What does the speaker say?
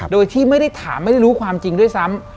โดยที่ไม่ได้ถามไม่ได้รู้ความจริงด้วยซ้ำ